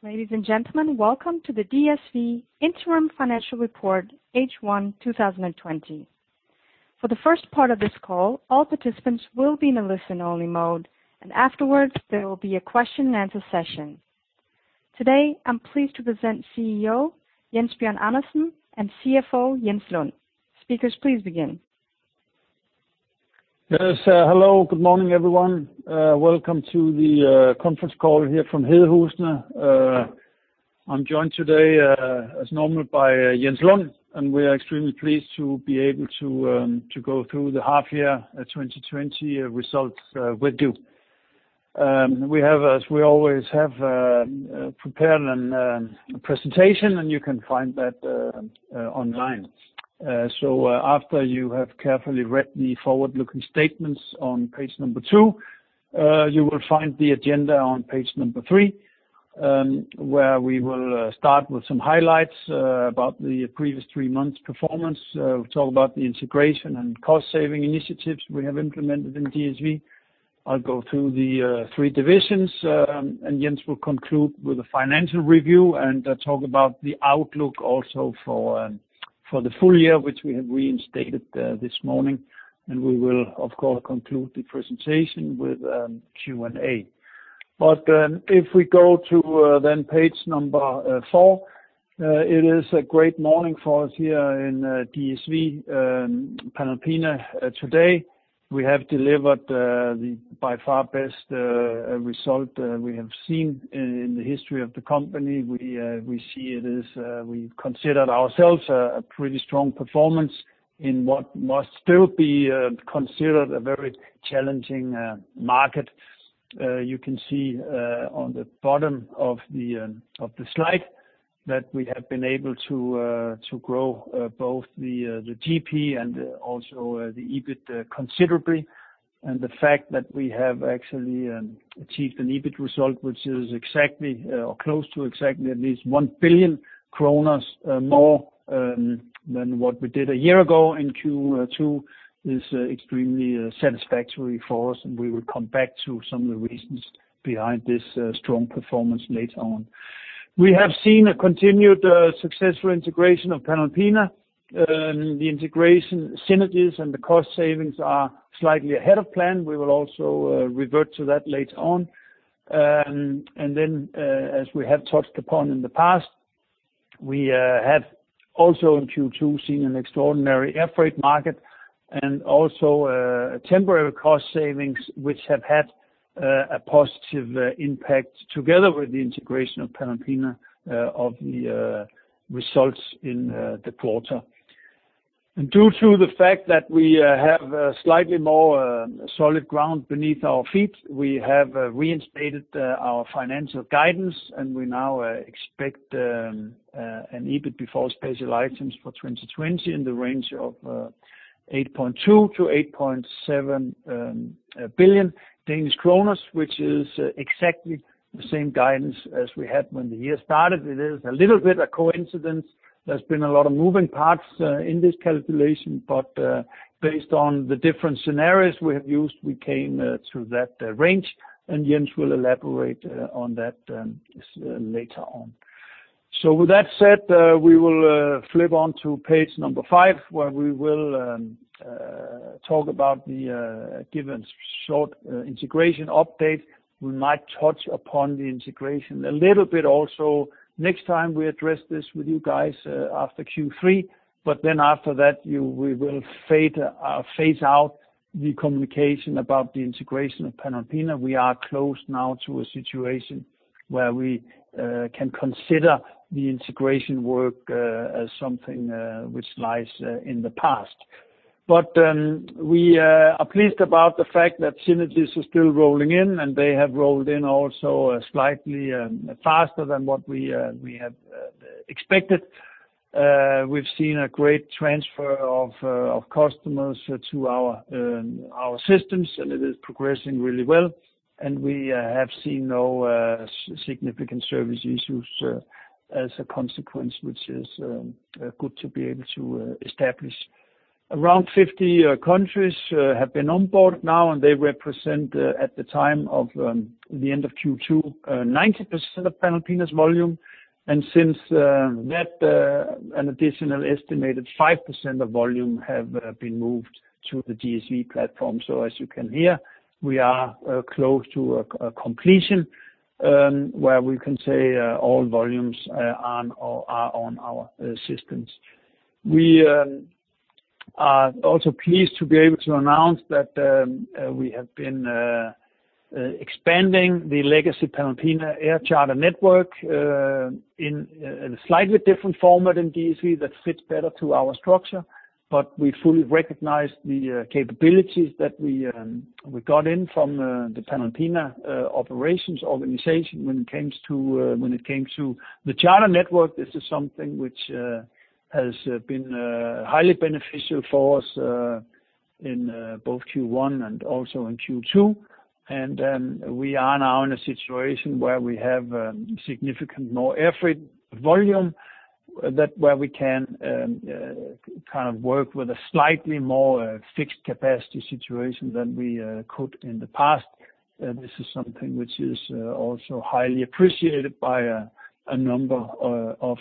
Ladies and gentlemen, welcome to the DSV Interim Financial Report H1 2020. For the first part of this call, all participants will be in a listen-only mode, and afterwards, there will be a question and answer session. Today, I'm pleased to present CEO, Jens Bjørn Andersen, and CFO, Jens Lund. Speakers, please begin. Yes, hello. Good morning, everyone. Welcome to the conference call here from Hedehusene. I'm joined today as normal by Jens Lund. We are extremely pleased to be able to go through the half year 2020 results with you. We have, as we always have, prepared a presentation. You can find that online. After you have carefully read the forward-looking statements on page number two, you will find the agenda on page number three, where we will start with some highlights about the previous three months' performance. We'll talk about the integration and cost-saving initiatives we have implemented in DSV. I'll go through the three divisions. Jens will conclude with a financial review and talk about the outlook also for the full year, which we have reinstated this morning. We will, of course, conclude the presentation with Q&A. If we go to then page number four, it is a great morning for us here in DSV Panalpina today. We have delivered the by far best result we have seen in the history of the company. We've considered ourselves a pretty strong performance in what must still be considered a very challenging market. You can see on the bottom of the slide that we have been able to grow both the GP and also the EBIT considerably. The fact that we have actually achieved an EBIT result, which is exactly or close to exactly at least 1 billion kroner more than what we did a year ago in Q2, is extremely satisfactory for us, and we will come back to some of the reasons behind this strong performance later on. We have seen a continued successful integration of Panalpina. The integration synergies and the cost savings are slightly ahead of plan. We will also revert to that later on. As we have touched upon in the past, we have also in Q2 seen an extraordinary air freight market and also temporary cost savings, which have had a positive impact together with the integration of Panalpina of the results in the quarter. Due to the fact that we have a slightly more solid ground beneath our feet, we have reinstated our financial guidance, and we now expect an EBIT before special items for 2020 in the range of 8.2 billion-8.7 billion Danish kroner, which is exactly the same guidance as we had when the year started. It is a little bit of coincidence. There's been a lot of moving parts in this calculation, based on the different scenarios we have used, we came to that range, and Jens will elaborate on that later on. With that said, we will flip on to page number five, where we will talk about the given short integration update. We might touch upon the integration a little bit also next time we address this with you guys after Q3. After that, we will phase out the communication about the integration of Panalpina. We are close now to a situation where we can consider the integration work as something which lies in the past. We are pleased about the fact that synergies are still rolling in, and they have rolled in also slightly faster than what we had expected. We've seen a great transfer of customers to our systems, and it is progressing really well, and we have seen no significant service issues as a consequence, which is good to be able to establish. Around 50 countries have been on board now, and they represent, at the time of the end of Q2, 90% of Panalpina's volume. Since that, an additional estimated 5% of volume have been moved to the DSV platform. As you can hear, we are close to a completion, where we can say all volumes are on our systems. We are also pleased to be able to announce that we have been expanding the legacy Panalpina air charter network in a slightly different format in DSV that fits better to our structure. We fully recognize the capabilities that we got in from the Panalpina operations organization when it came to the charter network. This is something which has been highly beneficial for us in both Q1 and also in Q2. We are now in a situation where we have significantly more air freight volume. That way we can work with a slightly more fixed capacity situation than we could in the past. This is something which is also highly appreciated by a number of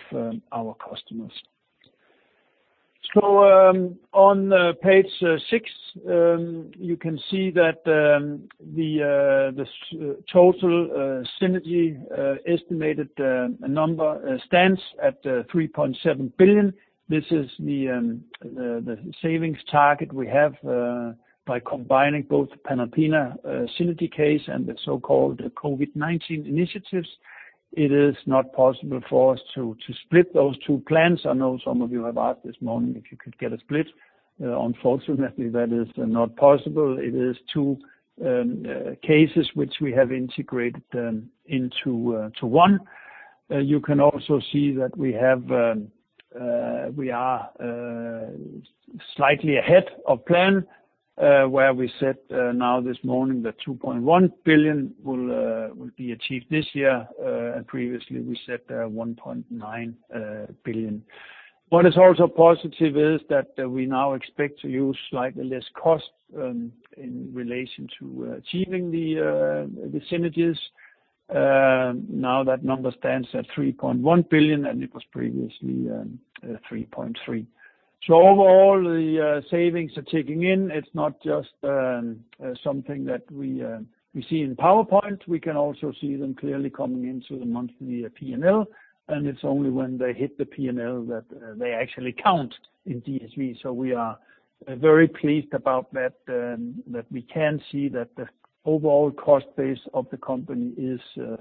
our customers. On page six, you can see that the total synergy estimated number stands at 3.7 billion. This is the savings target we have by combining both Panalpina synergy case and the so-called COVID-19 initiatives. It is not possible for us to split those two plans. I know some of you have asked this morning if you could get a split. Unfortunately, that is not possible. It is two cases which we have integrated into one. You can also see that we are slightly ahead of plan, where we said now this morning that 2.1 billion will be achieved this year, and previously we said 1.9 billion. What is also positive is that we now expect to use slightly less cost in relation to achieving the synergies. Now that number stands at 3.1 billion, and it was previously 3.3 billion. Overall, the savings are ticking in. It's not just something that we see in PowerPoint. We can also see them clearly coming into the monthly P&L, and it's only when they hit the P&L that they actually count in DSV. We are very pleased about that we can see that the overall cost base of the company is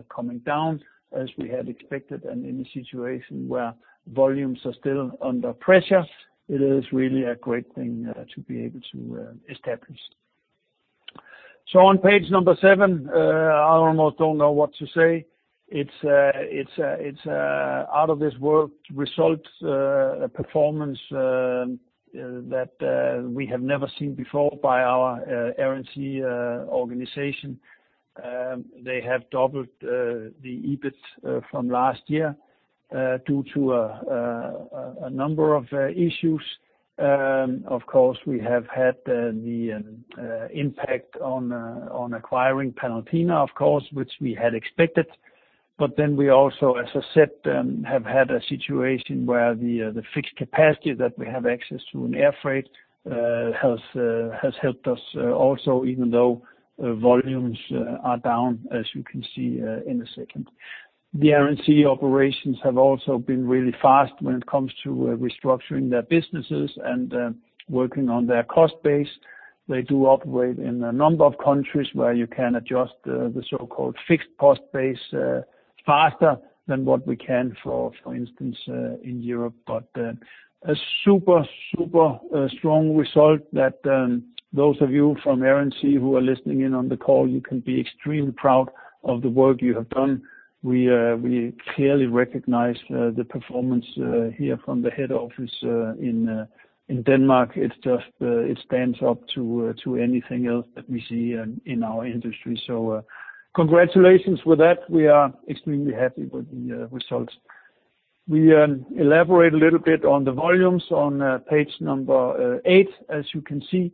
coming down as we had expected, and in a situation where volumes are still under pressure, it is really a great thing to be able to establish. On page number seven, I almost don't know what to say. It's out-of-this-world results, a performance that we have never seen before by our Air & Sea organization. They have doubled the EBIT from last year due to a number of issues. Of course, we have had the impact on acquiring Panalpina, of course, which we had expected. We also, as I said, have had a situation where the fixed capacity that we have access to in air freight has helped us also, even though volumes are down, as you can see in a second. The Air & Sea operations have also been really fast when it comes to restructuring their businesses and working on their cost base. They do operate in a number of countries where you can adjust the so-called fixed cost base faster than what we can, for instance, in Europe. A super strong result that those of you from Air & Sea who are listening in on the call, you can be extremely proud of the work you have done. We clearly recognize the performance here from the head office in Denmark. It stands up to anything else that we see in our industry. Congratulations with that. We are extremely happy with the results. We elaborate a little bit on the volumes on page number eight, as you can see.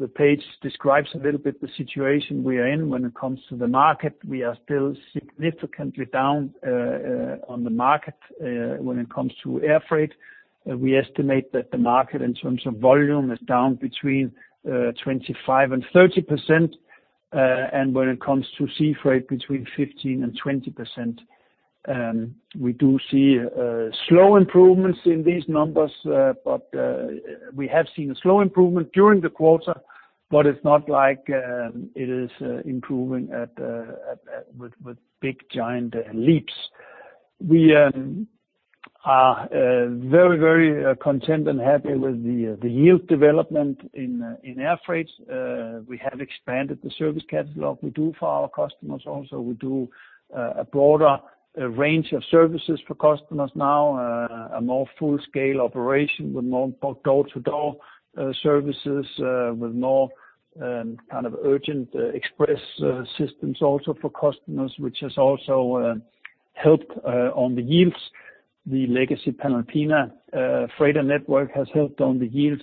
The page describes a little bit the situation we are in when it comes to the market. We are still significantly down on the market when it comes to air freight. We estimate that the market in terms of volume is down between 25% and 30%, and when it comes to sea freight, between 15% and 20%. We do see slow improvements in these numbers. We have seen a slow improvement during the quarter, but it is not like it is improving with big giant leaps. We are very, very content and happy with the yield development in air freight. We have expanded the service catalog we do for our customers also. We do a broader range of services for customers now, a more full-scale operation with more door-to-door services, with more urgent express systems also for customers, which has also helped on the yields. The legacy Panalpina freighter network has helped on the yields.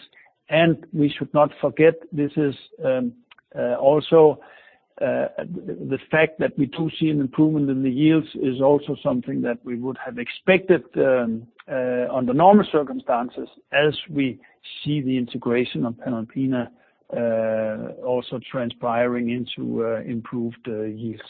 We should not forget, the fact that we do see an improvement in the yields is also something that we would have expected under normal circumstances as we see the integration of Panalpina also transpiring into improved yields.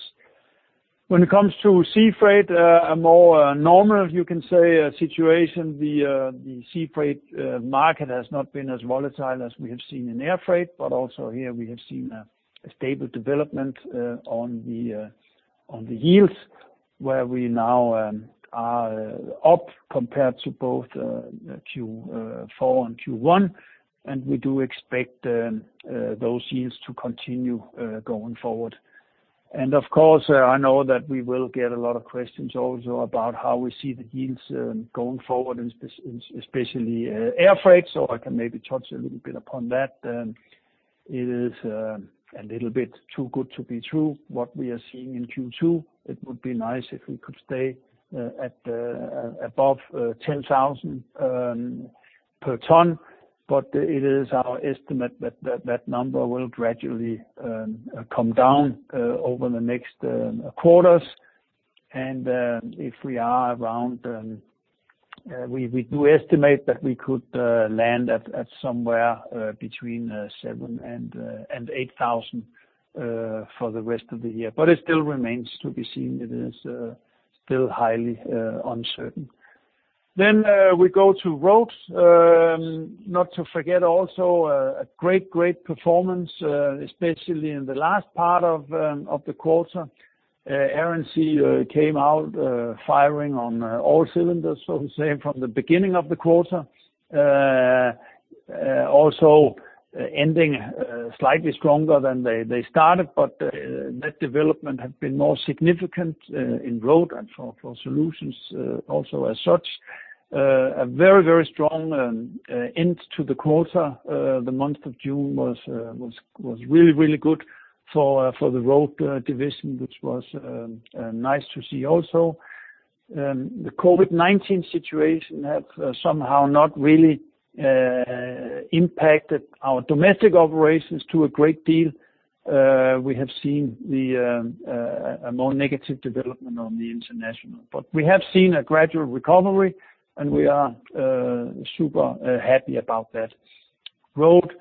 When it comes to sea freight, a more normal, you can say, situation. The sea freight market has not been as volatile as we have seen in air freight. Also here we have seen a stable development on the yields, where we now are up compared to both Q4 and Q1. We do expect those yields to continue going forward. Of course, I know that we will get a lot of questions also about how we see the yields going forward, especially air freight. I can maybe touch a little bit upon that then. It is a little bit too good to be true what we are seeing in Q2. It would be nice if we could stay at above 10,000 per ton, but it is our estimate that number will gradually come down over the next quarters. If we are around, we do estimate that we could land at somewhere between 7,000 and 8,000 for the rest of the year. It still remains to be seen. It is still highly uncertain. We go to Road, not to forget also a great performance, especially in the last part of the quarter. Air and Sea came out firing on all cylinders, so to say, from the beginning of the quarter. Ending slightly stronger than they started, that development had been more significant in Road and for Solutions also as such. A very strong end to the quarter. The month of June was really good for the Road division, which was nice to see also. The COVID-19 situation has somehow not really impacted our domestic operations to a great deal. We have seen a more negative development on the international. We have seen a gradual recovery, and we are super happy about that. Road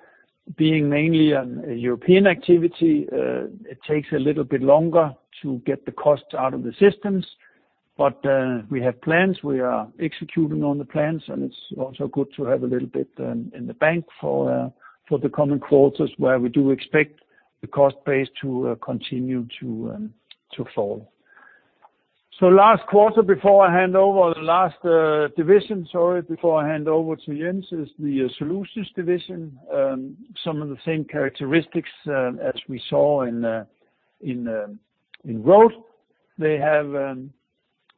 being mainly a European activity, it takes a little bit longer to get the costs out of the systems, but, we have plans. We are executing on the plans. It's also good to have a little bit in the bank for the coming quarters where we do expect the cost base to continue to fall. Last quarter, sorry, before I hand over to Jens, is the Solutions division. Some of the same characteristics as we saw in Road. They have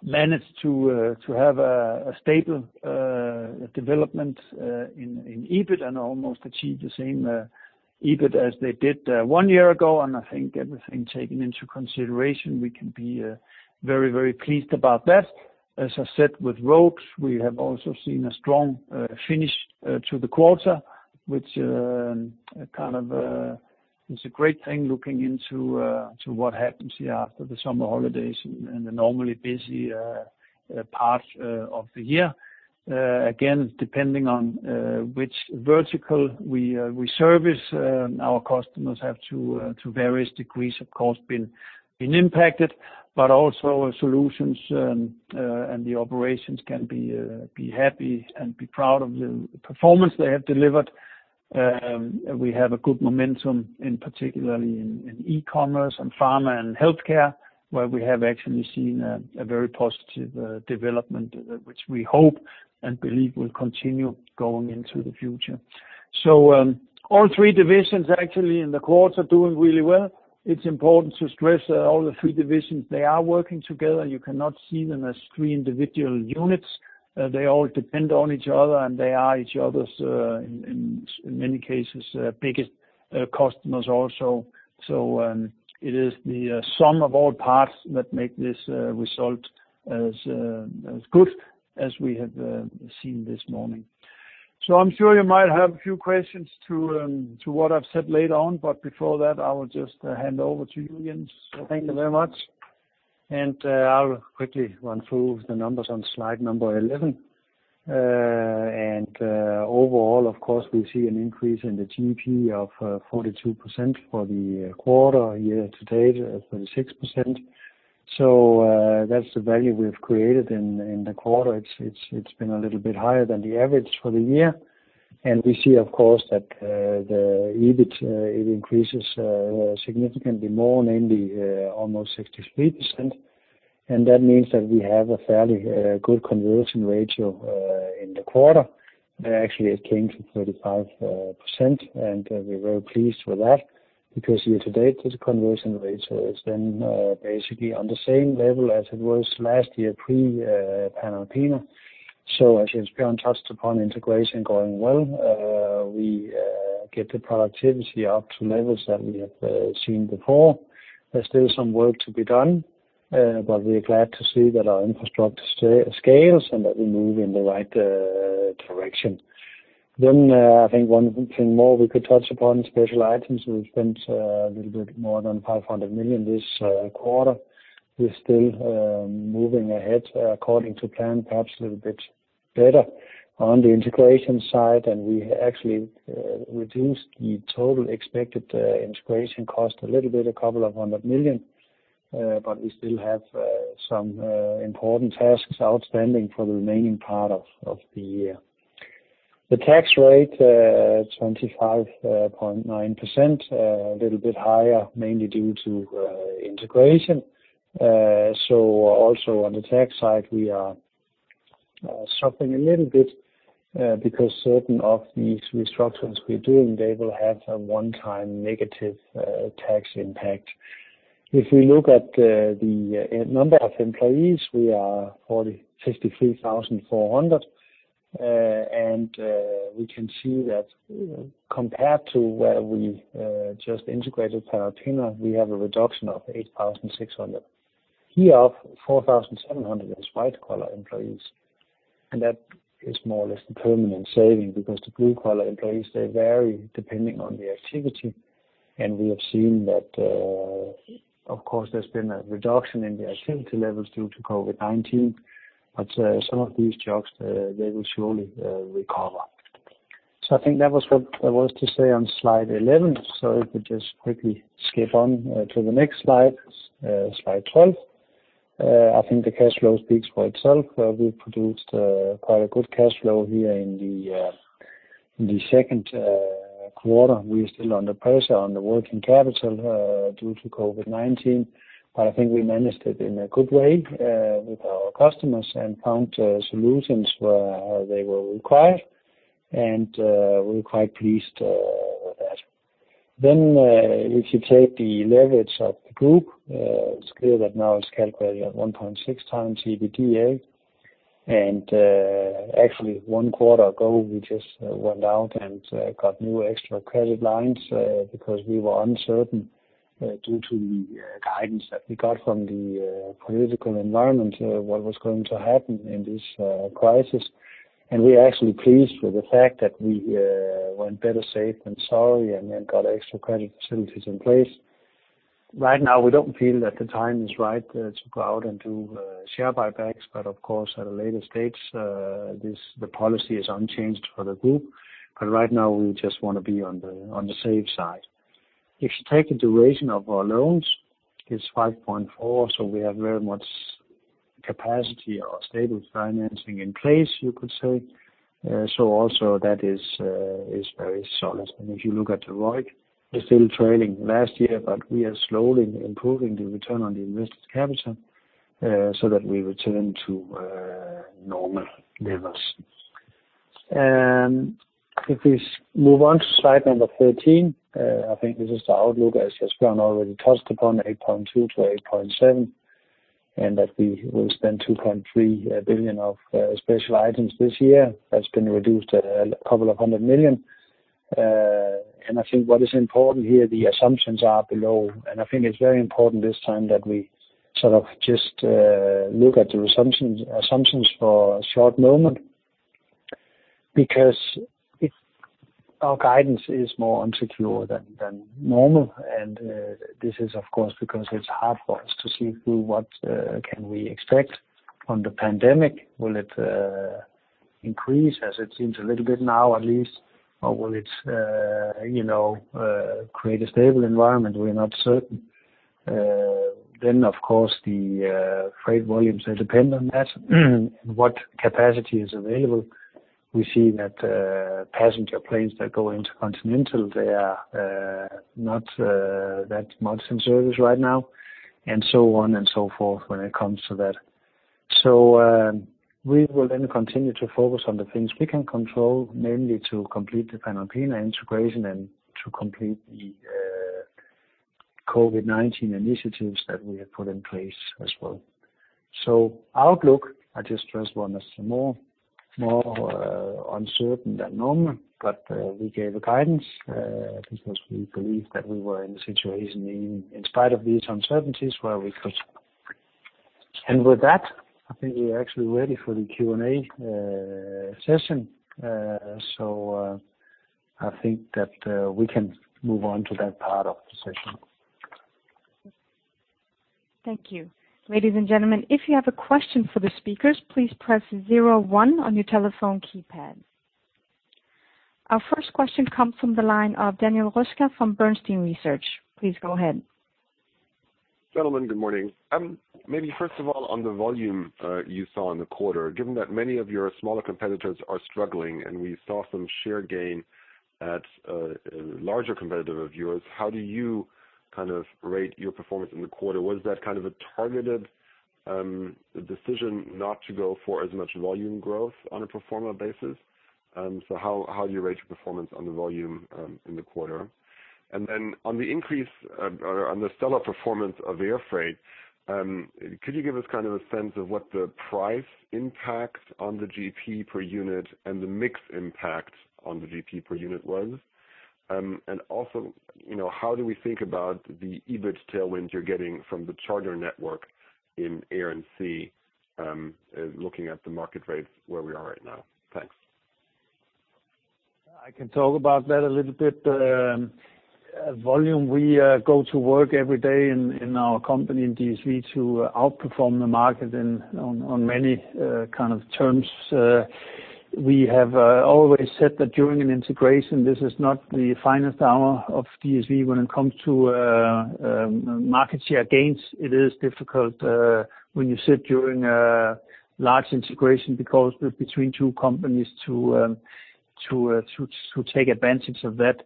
managed to have a stable development in EBIT and almost achieve the same EBIT as they did one year ago. I think everything taken into consideration, we can be very pleased about that. As I said, with Road, we have also seen a strong finish to the quarter, which is a great thing looking into what happens here after the summer holidays and the normally busy part of the year. Depending on which vertical we service our customers have to various degrees, of course, been impacted, but also Solutions and the operations can be happy and be proud of the performance they have delivered. We have a good momentum, particularly in e-commerce and pharma and healthcare, where we have actually seen a very positive development, which we hope and believe will continue going into the future. All three divisions actually in the quarter are doing really well. It's important to stress that all the three divisions, they are working together. You cannot see them as three individual units. They all depend on each other, and they are each other's, in many cases, biggest customers also. It is the sum of all parts that make this result as good as we have seen this morning. I'm sure you might have a few questions to what I've said later on, but before that, I will just hand over to you, Jens. Thank you very much. I'll quickly run through the numbers on slide number 11. Overall, of course, we see an increase in the GP of 42% for the quarter, year to date at 36%. That's the value we've created in the quarter. It's been a little bit higher than the average for the year. We see, of course, that the EBIT, it increases significantly more, namely almost 63%. That means that we have a fairly good conversion ratio in the quarter. Actually, it came to 35%, and we're very pleased with that because year to date the conversion rate has been basically on the same level as it was last year pre-Panalpina. As Jens Bjørn Andersen touched upon, integration going well. We get the productivity up to levels that we have seen before. There's still some work to be done, but we are glad to see that our infrastructure scales and that we move in the right direction. I think one thing more we could touch upon, special items. We spent a little bit more than 500 million this quarter. We're still moving ahead according to plan, perhaps a little bit better on the integration side. We actually reduced the total expected integration cost a little bit, DKK a couple of hundred million. We still have some important tasks outstanding for the remaining part of the year. The tax rate, 25.9%, a little bit higher, mainly due to integration. Also on the tax side, we are suffering a little bit, because certain of these restructures we're doing, they will have a one-time negative tax impact. If we look at the number of employees, we are 63,400. We can see that compared to where we just integrated Panalpina, we have a reduction of 8,600. Here, 4,700 is white-collar employees, and that is more or less the permanent saving because the blue-collar employees, they vary depending on the activity. We have seen that, of course, there's been a reduction in the activity levels due to COVID-19. Some of these jobs, they will surely recover. I think that was what there was to say on slide 11. If we just quickly skip on to the next slide 12. I think the cash flow speaks for itself. We produced quite a good cash flow here in the Q2. We're still under pressure on the working capital due to COVID-19. I think we managed it in a good way with our customers and found solutions where they were required, and we're quite pleased with that. If you take the leverage of the group, it's clear that now it's calculated at 1.6x EBITDA. Actually one quarter ago, we just went out and got new extra credit lines because we were uncertain due to the guidance that we got from the political environment, what was going to happen in this crisis. We are actually pleased with the fact that we went better safe than sorry and got extra credit facilities in place. Right now, we don't feel that the time is right to go out and do share buybacks, but of course, at a later stage, the policy is unchanged for the group. Right now, we just want to be on the safe side. If you take the duration of our loans, it's 5.4, we have very much capacity or stable financing in place, you could say. Also that is very solid. If you look at the ROIC, we're still trailing last year, but we are slowly improving the return on the invested capital, so that we return to normal levels. If we move on to slide number 13, I think this is the outlook as Jens Bjørn already touched upon, 8.2 billion to 8.7 billion, and that we will spend 2.3 billion of special items this year. That's been reduced a couple of hundred million. I think what is important here, the assumptions are below. I think it's very important this time that we sort of just look at the assumptions for a short moment because our guidance is more insecure than normal, and this is of course, because it's hard for us to see through what can we expect from the pandemic. Will it increase as it seems a little bit now, at least? Or will it create a stable environment? We're not certain. Of course, the freight volumes are dependent on that. What capacity is available. We see that passenger planes that go intercontinental, they are not that much in service right now, and so on and so forth when it comes to that. We will then continue to focus on the things we can control, mainly to complete the Panalpina integration and to complete the COVID-19 initiatives that we have put in place as well. Outlook, I just respond as more uncertain than normal. We gave a guidance because we believe that we were in a situation in spite of these uncertainties. With that, I think we are actually ready for the Q&A session. I think that we can move on to that part of the session. Thank you. Ladies and gentlemen, if you have a question for the speakers, please press zero one on your telephone keypad. Our first question comes from the line of Daniel Röska from Bernstein Research. Please go ahead. Gentlemen, good morning. Maybe first of all, on the volume you saw in the quarter, given that many of your smaller competitors are struggling, and we saw some share gain at a larger competitor of yours, how do you rate your performance in the quarter? Was that kind of a targeted decision not to go for as much volume growth on a pro forma basis? How do you rate your performance on the volume in the quarter? On the increase, on the stellar performance of air freight, could you give us kind of a sense of what the price impact on the GP per unit and the mix impact on the GP per unit was? Also, how do we think about the EBIT tailwind you're getting from the charter network in Air & Sea, looking at the market rates where we are right now? Thanks. I can talk about that a little bit. Volume, we go to work every day in our company, in DSV, to outperform the market on many kind of terms. We have always said that during an integration, this is not the finest hour of DSV when it comes to market share gains. It is difficult when you sit during a large integration because between two companies to To take advantage of that.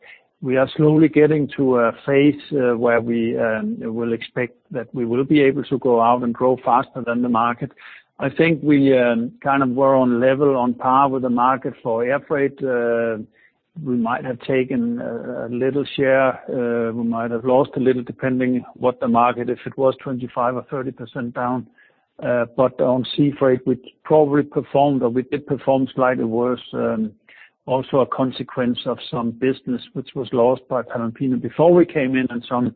We are slowly getting to a phase where we will expect that we will be able to go out and grow faster than the market. I think we were on level, on par with the market for air freight. We might have taken a little share, we might have lost a little depending what the market, if it was 25% or 30% down. On sea freight, we probably performed, or we did perform slightly worse. Also a consequence of some business which was lost by Panalpina before we came in, and some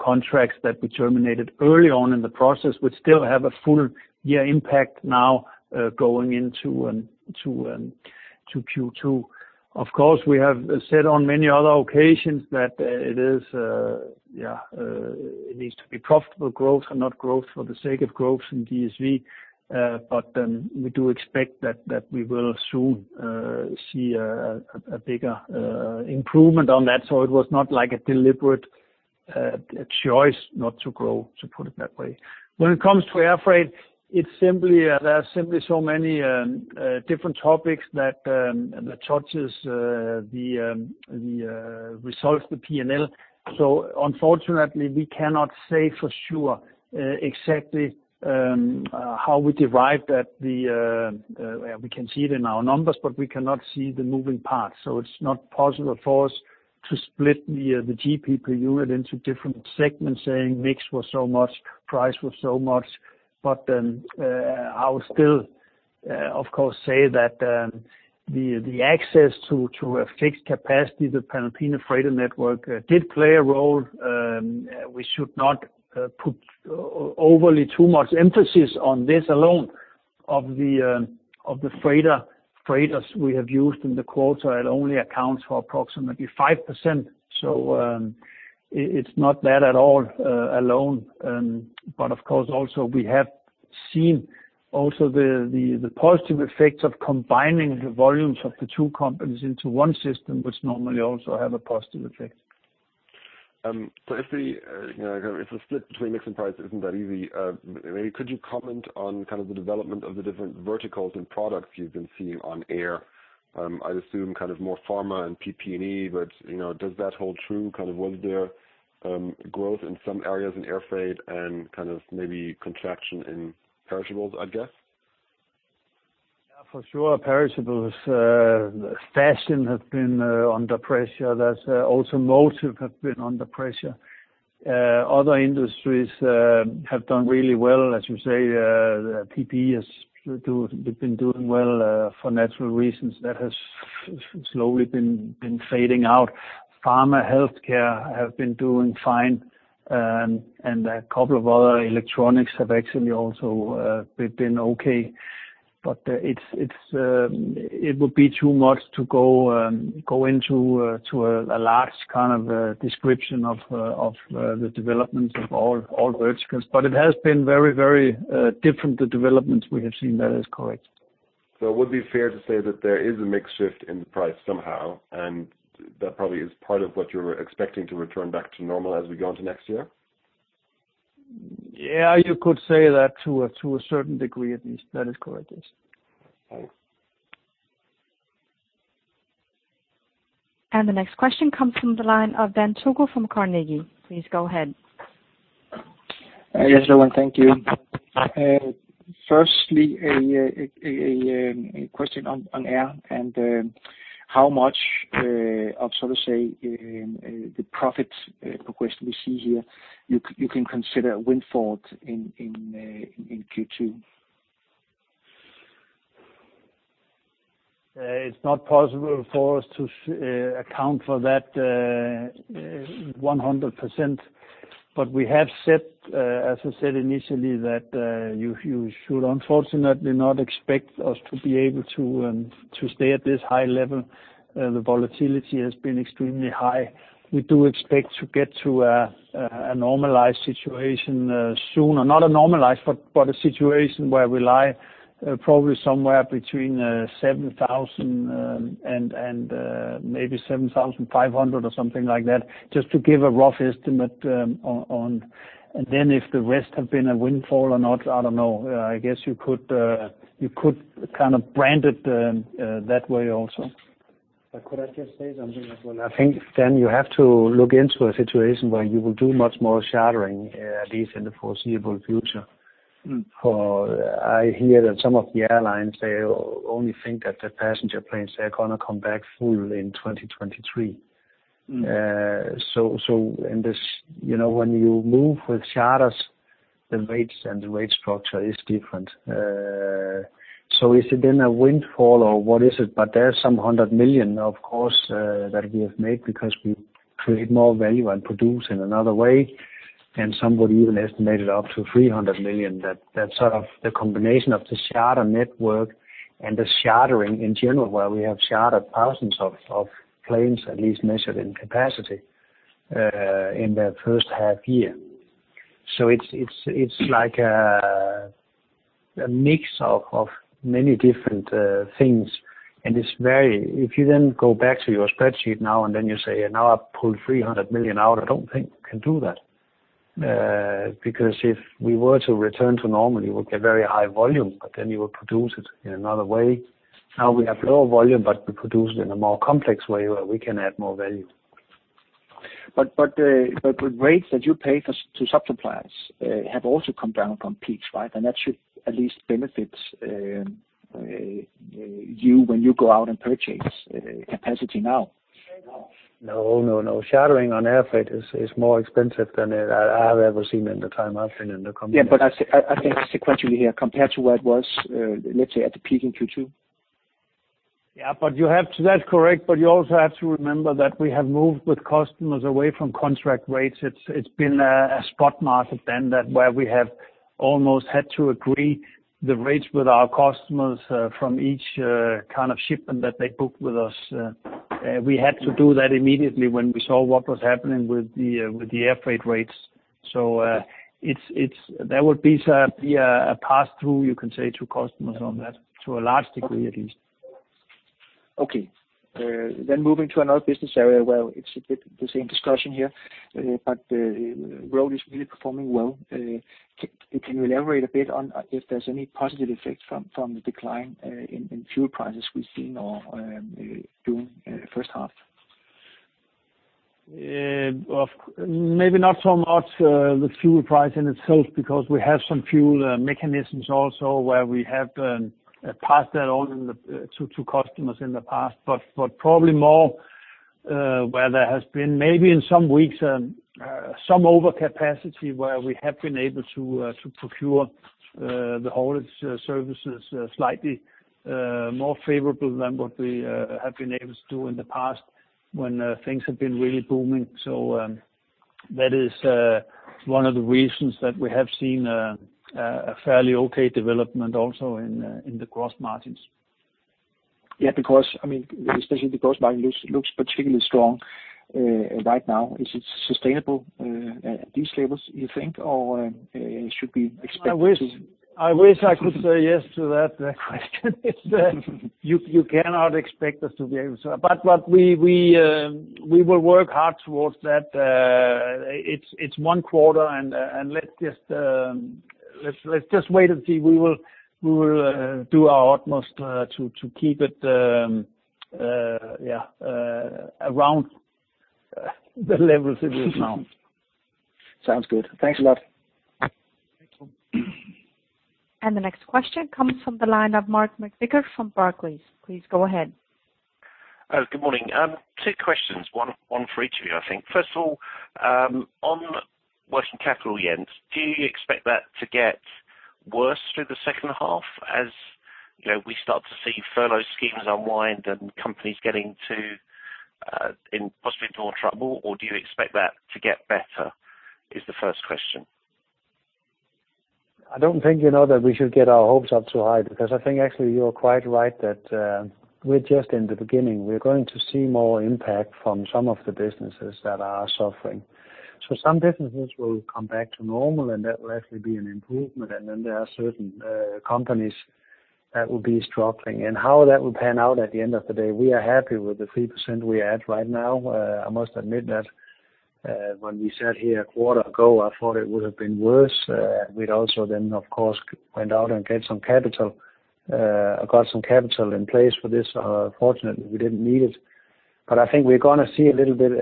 contracts that we terminated early on in the process, which still have a full year impact now, going into Q2. Of course, we have said on many other occasions that it needs to be profitable growth and not growth for the sake of growth in DSV. We do expect that we will soon see a bigger improvement on that. It was not like a deliberate choice not to grow, to put it that way. When it comes to air freight, there are simply so many different topics that touches the results, the P&L. Unfortunately, we cannot say for sure exactly how we derive that. We can see it in our numbers, but we cannot see the moving parts. It's not possible for us to split the GP per unit into different segments, saying mix was so much, price was so much. I will still, of course, say that the access to a fixed capacity, the Panalpina freighter network did play a role. We should not put overly too much emphasis on this alone. Of the freighters we have used in the quarter, it only accounts for approximately 5%. It's not that at all alone. Of course, also we have seen also the positive effects of combining the volumes of the two companies into one system, which normally also have a positive effect. If the split between mix and price isn't that easy, maybe could you comment on the development of the different verticals and products you've been seeing on Air? I assume more pharma and PPE, but does that hold true? Was there growth in some areas in air freight and maybe contraction in perishables, I guess? Yeah, for sure, perishables. Fashion has been under pressure. Automotive have been under pressure. Other industries have done really well, as you say, PPE has been doing well, for natural reasons that has slowly been fading out. Pharma, healthcare have been doing fine. A couple of other electronics have actually also, they've been okay, but it would be too much to go into a large description of the developments of all verticals. It has been very different, the developments we have seen, that is correct. Would it be fair to say that there is a mix shift in the price somehow, and that probably is part of what you're expecting to return back to normal as we go into next year? You could say that to a certain degree at least. That is correct, yes. Okay. The next question comes from the line of Dan Togo from Carnegie. Please go ahead. Yes, everyone. Thank you. Firstly, a question on Air and how much of sort of, say, the profit progression we see here you can consider a windfall in Q2? It's not possible for us to account for that 100%. We have said, as I said initially, that you should unfortunately not expect us to be able to stay at this high level. The volatility has been extremely high. We do expect to get to a normalized situation soon. Not a normalized, but a situation where we lie probably somewhere between 7,000 and maybe 7,500 or something like that, just to give a rough estimate. If the rest have been a windfall or not, I don't know. I guess you could brand it that way also. Could I just say something as well? I think you have to look into a situation where you will do much more chartering, at least in the foreseeable future. I hear that some of the airlines, they only think that the passenger planes are going to come back full in 2023. In this, when you move with charters, the rates and the rate structure is different. Is it then a windfall or what is it? There are some 100 million, of course, that we have made because we create more value and produce in another way. Some would even estimate it up to 300 million, that sort of the combination of the charter network and the chartering in general, Where we have chartered thousands of planes at least measured in capacity, in the H1 year. It's like a mix of many different things, and if you then go back to your spreadsheet now and then you say, "Now I pull 300 million out." I don't think you can do that. Because if we were to return to normal, you would get very high volume, but then you would produce it in another way. Now we have lower volume, but we produce it in a more complex way where we can add more value. The rates that you pay to suppliers have also come down from peaks, right? That should at least benefit you when you go out and purchase capacity now. No. Chartering on air freight is more expensive than I have ever seen in the time I've been in the company. Yeah, I think sequentially here, compared to where it was, let's say at the peak in Q2. That's correct, you also have to remember that we have moved with customers away from contract rates. It's been a spot market then where we have almost had to agree the rates with our customers from each kind of shipment that they book with us. We had to do that immediately when we saw what was happening with the air freight rates. There would be a pass-through, you can say, to customers on that to a large degree at least. Okay. Moving to another business area where it's a bit the same discussion here, but Road is really performing well. Can you elaborate a bit on if there's any positive effects from the decline in fuel prices we've seen during the H1? Maybe not so much the fuel price in itself, because we have some fuel mechanisms also where we have passed that on to customers in the past. Probably more, where there has been maybe in some weeks, some overcapacity where we have been able to procure the haulage services slightly more favorable than what we have been able to do in the past when things have been really booming. That is one of the reasons that we have seen a fairly okay development also in the gross margins. Yeah, especially the gross margin looks particularly strong right now. Is it sustainable at these levels, you think, or it should be expected to- I wish I could say yes to that question. You cannot expect us to be able to. We will work hard towards that. It's one quarter and let's just wait and see. We will do our utmost to keep it, yeah, around the levels it is now. Sounds good. Thanks a lot. Thanks. The next question comes from the line of Mark McVicar from Barclays. Please go ahead. Good morning. Two questions, one for each of you, I think. First of all, on working capital yields, do you expect that to get worse through the second half as we start to see furlough schemes unwind and companies getting into possibly more trouble, or do you expect that to get better? Is the first question? I don't think that we should get our hopes up too high, because I think actually you're quite right that we're just in the beginning. We're going to see more impact from some of the businesses that are suffering. Some businesses will come back to normal, and that will actually be an improvement. Then there are certain companies that will be struggling. How that will pan out at the end of the day, we are happy with the 3% we're at right now. I must admit that when we sat here a quarter ago, I thought it would have been worse. We'd also then, of course, got some capital in place for this. Fortunately, we didn't need it. I think we're going to see a little bit.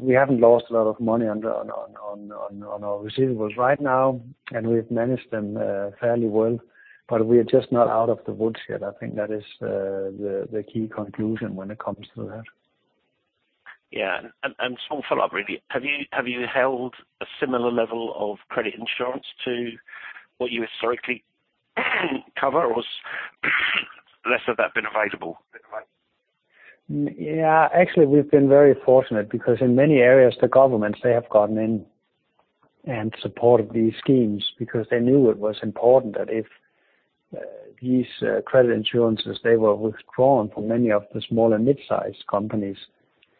We haven't lost a lot of money on our receivables right now, and we've managed them fairly well, but we are just not out of the woods yet. I think that is the key conclusion when it comes to that. Yeah. Small follow-up, really. Have you held a similar level of credit insurance to what you historically cover, or has less of that been available? Yeah. Actually, we've been very fortunate because in many areas, the governments, they have gotten in and supported these schemes because they knew it was important that if these credit insurances, they were withdrawn from many of the small and mid-sized companies,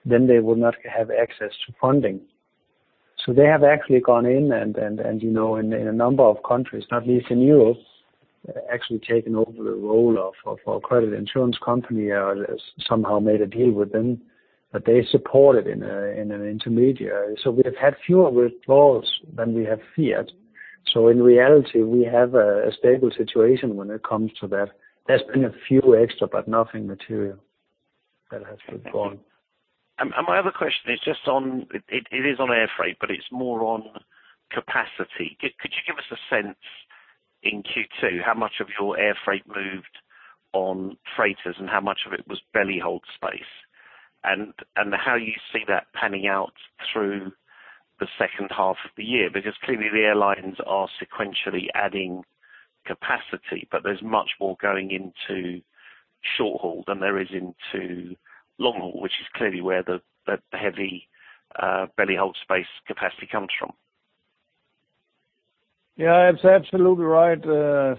then they would not have access to funding. They have actually gone in and, in a number of countries, not least in Europe, actually taken over the role of a credit insurance company or somehow made a deal with them, but they support it in an intermediary. We've had fewer withdrawals than we have feared. In reality, we have a stable situation when it comes to that. There's been a few extra, but nothing material that has been gone. My other question is just on, it is on air freight, but it's more on capacity. Could you give us a sense in Q2 how much of your air freight moved on freighters and how much of it was belly-hold space? How you see that panning out through the second half of the year? Clearly the airlines are sequentially adding capacity, but there's much more going into short haul than there is into long haul, which is clearly where the heavy belly-hold space capacity comes from. Yeah, it's absolutely right.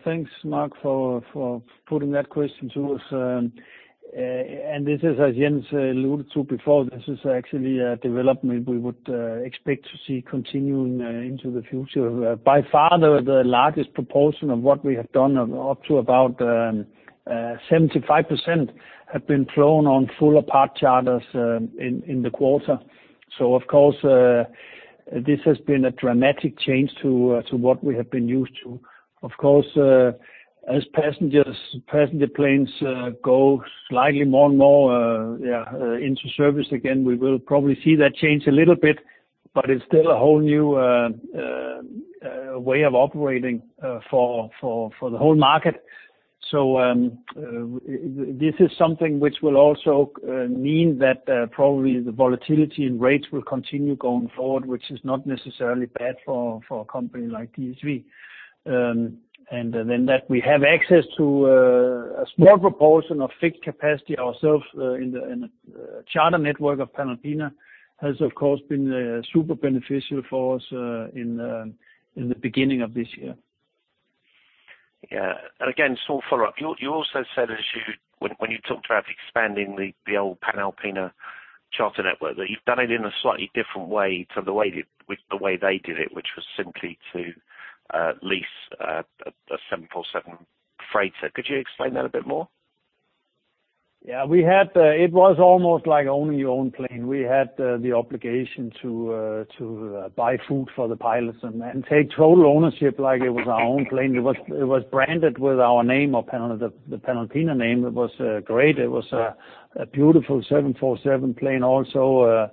Thanks, Mark, for putting that question to us. This is, as Jens alluded to before, this is actually a development we would expect to see continuing into the future. By far, the largest proportion of what we have done, up to about 75%, have been flown on full or part charters in the quarter. Of course, this has been a dramatic change to what we have been used to. Of course, as passenger planes go slightly more and more into service again, we will probably see that change a little bit, but it's still a whole new way of operating for the whole market. This is something which will also mean that probably the volatility and rates will continue going forward, which is not necessarily bad for a company like DSV. That we have access to a small proportion of fixed capacity ourselves in the charter network of Panalpina has, of course, been super beneficial for us in the beginning of this year. Again, small follow-up. You also said when you talked about expanding the old Panalpina charter network, that you've done it in a slightly different way to the way they did it, which was simply to lease a 747 freighter. Could you explain that a bit more? Yeah. It was almost like owning your own plane. We had the obligation to buy food for the pilots and take total ownership like it was our own plane. It was branded with our name or the Panalpina name. It was great. It was a beautiful 747 plane also.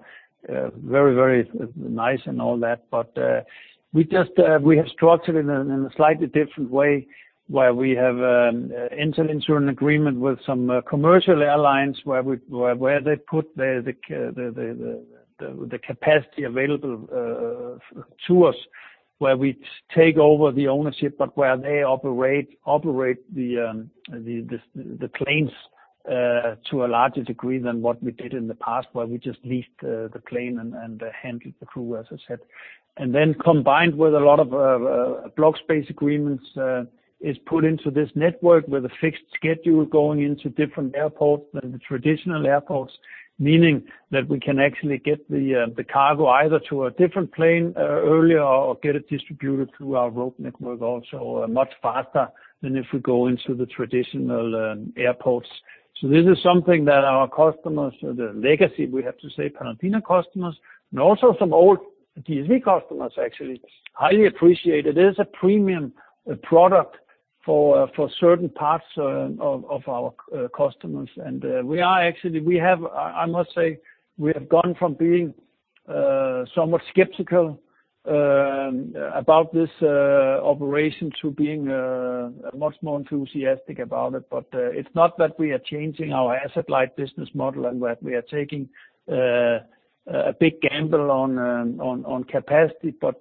Very nice and all that. We have structured it in a slightly different way, where we have entered into an agreement with some commercial airlines where they put the capacity available to us, where we take over the ownership, but where they operate the planes to a larger degree than what we did in the past, where we just leased the plane and handled the crew, as I said. Combined with a lot of block space agreements, is put into this network with a fixed schedule going into different airports than the traditional airports, meaning that we can actually get the cargo either to a different plane earlier or get it distributed through our Road network also much faster than if we go into the traditional airports. This is something that our customers, the legacy, we have to say, Panalpina customers, and also some old DSV customers actually, highly appreciate. It is a premium product for certain parts of our customers. We are actually, I must say, we have gone from being somewhat skeptical about this operation to being much more enthusiastic about it. It's not that we are changing our asset-light business model and that we are taking a big gamble on capacity, but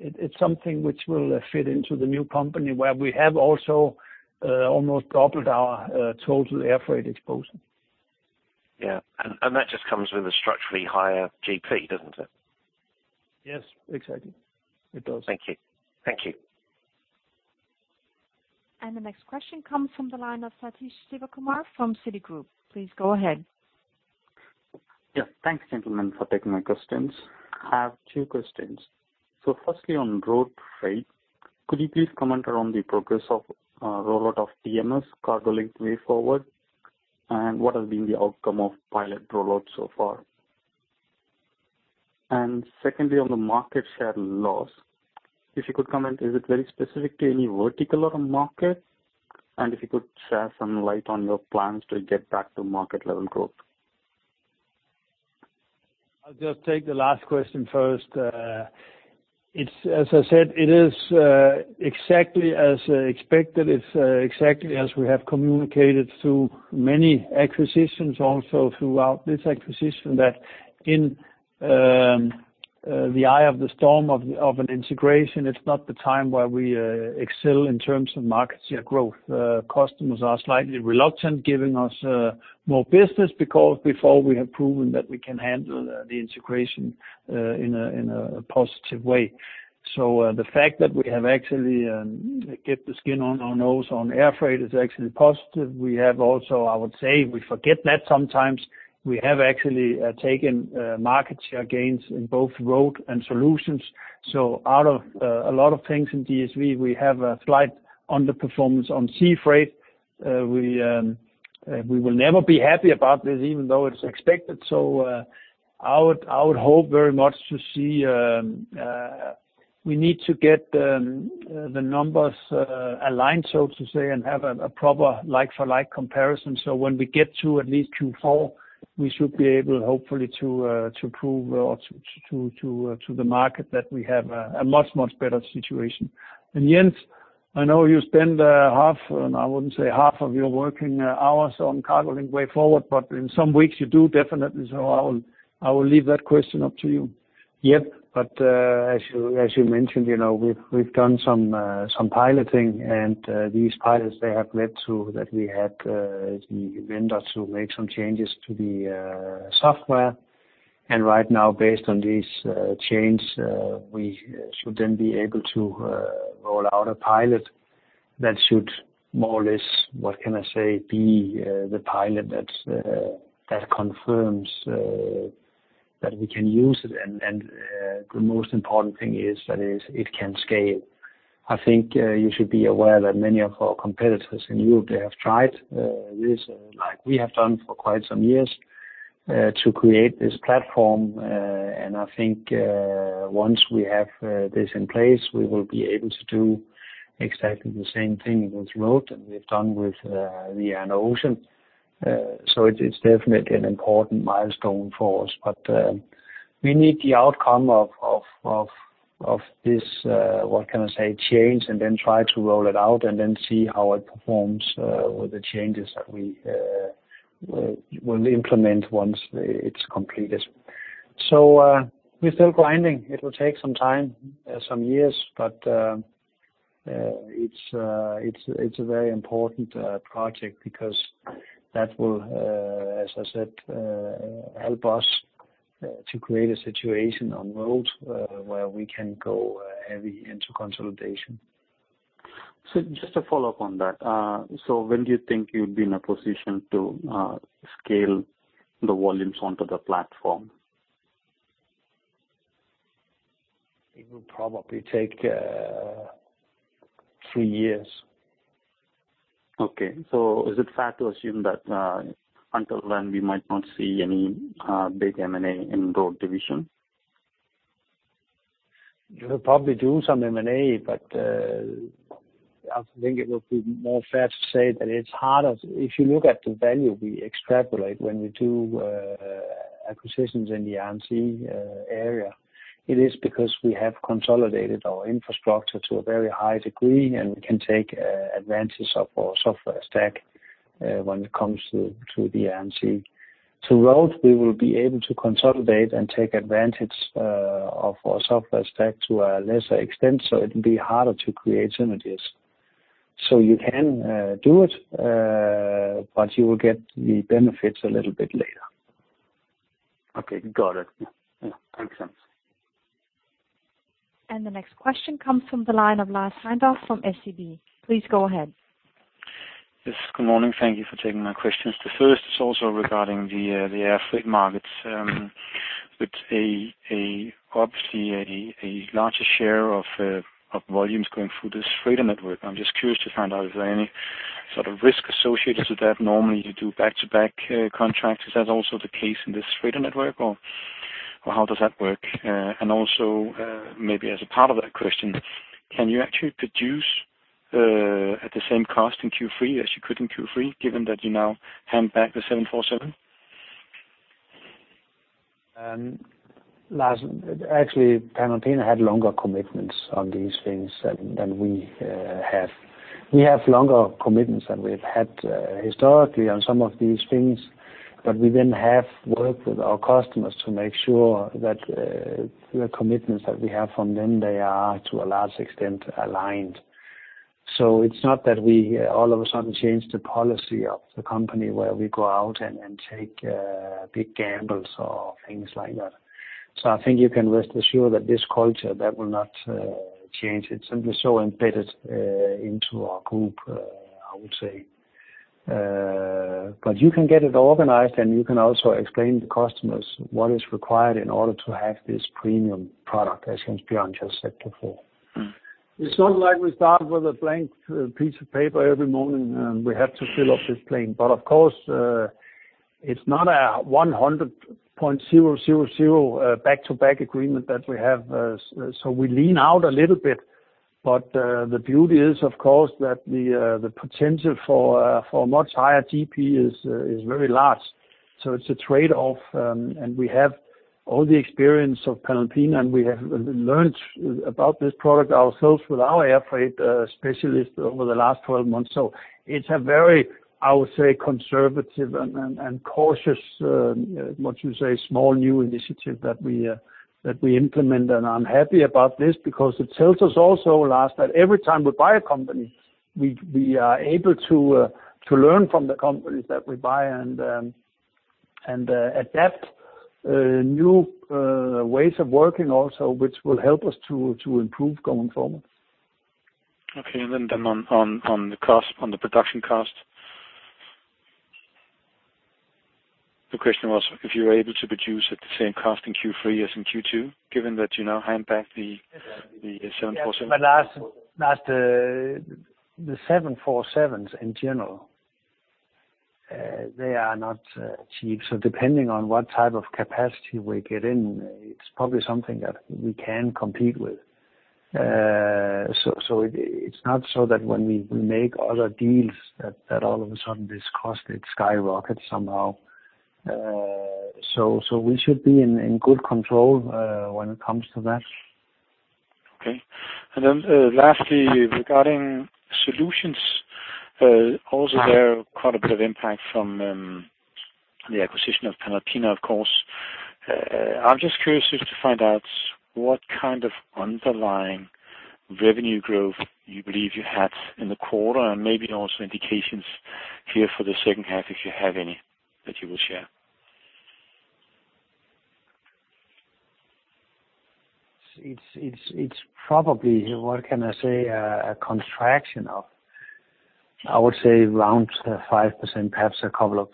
it's something which will fit into the new company where we have also almost doubled our total air freight exposure. Yeah. That just comes with a structurally higher GP, doesn't it? Yes, exactly. It does. Thank you. The next question comes from the line of Sathish Sivakumar from Citigroup. Please go ahead. Yeah. Thanks, gentlemen, for taking my questions. I have two questions. Firstly, on Road, could you please comment on the progress of rollout of TMS CargoWise, and what has been the outcome of pilot rollout so far? Secondly, on the market share loss, if you could comment, is it very specific to any vertical of the market? If you could share some light on your plans to get back to market level growth. I'll just take the last question first. As I said, it is exactly as expected. It's exactly as we have communicated through many acquisitions, also throughout this acquisition, that in the eye of the storm of an integration, it's not the time where we excel in terms of market share growth. Customers are slightly reluctant giving us more business because before we have proven that we can handle the integration in a positive way. The fact that we have actually kept the skin on our nose on air freight is actually positive. We have also, I would say, we forget that sometimes. We have actually taken market share gains in both Road and Solutions. Out of a lot of things in DSV, we have a slight underperformance on sea freight. We will never be happy about this, even though it's expected. I would hope very much to see, we need to get the numbers aligned, so to say, and have a proper like-for-like comparison. When we get to at least Q4, we should be able, hopefully, to prove to the market that we have a much, much better situation. Jens, I know you spend half, and I wouldn't say half of your working hours on CargoLink WayForward, but in some weeks you do, definitely. I will leave that question up to you. Yep. As you mentioned, we've done some piloting and these pilots, they have led to that we had the vendors who make some changes to the software. Right now, based on these changes, we should then be able to roll out a pilot that should more or less, what can I say, be the pilot that confirms that we can use it. The most important thing is that it can scale. I think you should be aware that many of our competitors in Europe, they have tried this, like we have done for quite some years, to create this platform. I think once we have this in place, we will be able to do exactly the same thing with Road that we've done with the Ocean. It's definitely an important milestone for us. We need the outcome of this, what can I say, change, and then try to roll it out and then see how it performs with the changes that we will implement once it's completed. We're still grinding. It will take some time, some years, but it's a very important project because that will, as I said help us to create a situation on Road where we can go heavy into consolidation. Just to follow up on that. When do you think you'll be in a position to scale the volumes onto the platform? It will probably take three years. Okay. Is it fair to assume that until then, we might not see any big M&A in Road division? You'll probably do some M&A, but I think it would be more fair to say that it's harder. If you look at the value we extrapolate when we do acquisitions in the Air & Sea area, it is because we have consolidated our infrastructure to a very high degree, and we can take advantage of our software stack when it comes to the Air & Sea. To Road, we will be able to consolidate and take advantage of our software stack to a lesser extent. It'll be harder to create synergies. You can do it, but you will get the benefits a little bit later. Okay. Got it. Yeah, makes sense. The next question comes from the line of Lars Heindorff from SEB. Please go ahead. Yes. Good morning. Thank you for taking my questions. The first is also regarding the air freight markets. With obviously a larger share of volumes going through this freighter network, I'm just curious to find out if there are any sort of risk associated with that. Normally, you do back-to-back contracts. Is that also the case in this freighter network, or how does that work? Also, maybe as a part of that question, can you actually produce at the same cost in Q3 as you could in Q2, given that you now hand back the 747? Lars, actually, Panalpina had longer commitments on these things than we have. We have longer commitments than we've had historically on some of these things, we then have worked with our customers to make sure that the commitments that we have from them, they are to a large extent aligned. It's not that we all of a sudden change the policy of the company where we go out and take big gambles or things like that. I think you can rest assured that this culture, that will not change. It's simply so embedded into our group, I would say. You can get it organized, and you can also explain to customers what is required in order to have this premium product, as Jens Bjørn just said before. It's not like we start with a blank piece of paper every morning, and we have to fill up this plane. Of course, it's not a 100,000 back-to-back agreement that we have, so we lean out a little bit. The beauty is, of course, that the potential for much higher GP is very large. It's a trade-off, and we have all the experience of Panalpina, and we have learned about this product ourselves with our air freight specialists over the last 12 months. It's a very, I would say, conservative and cautious, what you say, small new initiative that we implement. I'm happy about this because it tells us also, Lars, that every time we buy a company, we are able to learn from the companies that we buy and adapt new ways of working also, which will help us to improve going forward. Okay. On the cost, on the production cost, the question was if you were able to produce at the same cost in Q3 as in Q2, given that you now hand back the 747. Lars, the 747s in general, they are not cheap. Depending on what type of capacity we get in, it's probably something that we can compete with. It's not so that when we make other deals, that all of a sudden this cost, it skyrockets somehow. We should be in good control when it comes to that. Okay. Lastly, regarding Solutions, also there quite a bit of impact from the acquisition of Panalpina, of course. I am just curious just to find out what kind of underlying revenue growth you believe you had in the quarter, and maybe also indications here for the second half, if you have any that you will share. It's probably, what can I say, a contraction of, I would say around 5%, perhaps a couple of